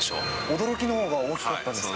驚きのほうが大きかったんですか？